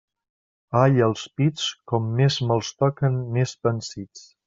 Ai els pits, com més me'ls toquen més pansits.